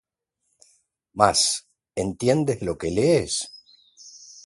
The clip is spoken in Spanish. Mas ¿entiendes lo que lees?